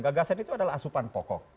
gagasan itu adalah asupan pokok